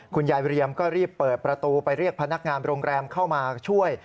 เรียมก็รีบเปิดประตูไปเรียกพนักงานโรงแรมเข้ามาช่วย